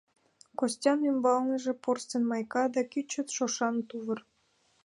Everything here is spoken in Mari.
Костян ӱмбалныже порсын майка да кӱчык шокшан тувыр.